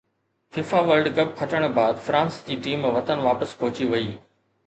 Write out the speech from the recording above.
FIFA World Cup کٽڻ بعد France جي ٽيم وطن واپس پهچي وئي